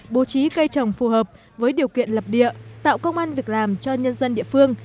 bố trí cây trồng phù hợp với điều kiện lập địa tạo công an việc làm cho nhân dân địa phương